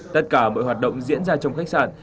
tất cả mọi hoạt động diễn ra trong khách sạn